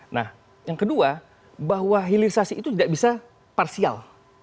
nah yang kedua bahwa hilirisasi itu tidak bisa parsial